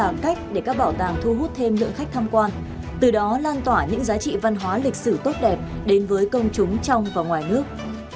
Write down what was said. đây là cách để các bảo tàng thu hút thêm lượng khách tham quan từ đó lan tỏa những giá trị văn hóa lịch sử tốt đẹp đến với công chúng trong và ngoài nước